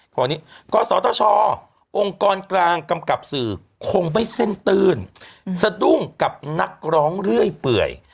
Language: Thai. ขอนี้กศตชองค์กรกลางกำกับสื่อคงไม่เส้นตื้นสะดุ้งกับนักร้องเรื่อยเปื่อย